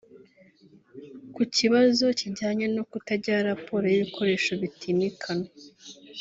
Ku kibazo kijyanye no kutagira raporo y’ibikoresho bitimikanwa